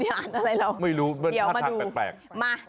ิ่งอยู่เดี๋ยวมาดู